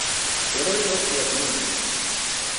What are you up to at the moment?